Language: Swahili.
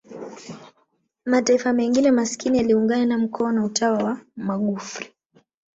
mataifa mengine masikini yaliungana mkono utawa wa magufri